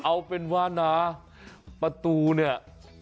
เอาเป็นว่านะประตูเนี่ย